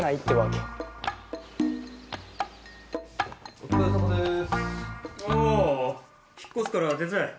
お疲れさまです。